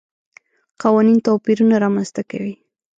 قوانین توپیرونه رامنځته کوي.